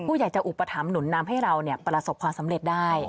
ผู้ใหญ่จะอุปถัมภหนุนนำให้เราประสบความสำเร็จได้